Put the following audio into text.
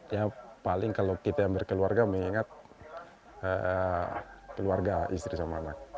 ya paling kalau kita yang berkeluarga mengingat keluarga istri sama anak